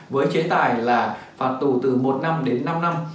với chế tài là phạt tù từ một năm đến năm năm